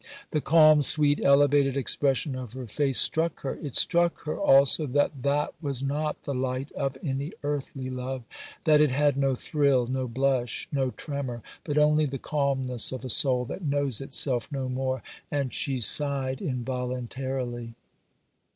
The calm, sweet, elevated expression of her face struck her; it struck her also that that was not the light of any earthly love, that it had no thrill, no blush, no tremor, but only the calmness of a soul that knows itself no more, and she sighed involuntarily.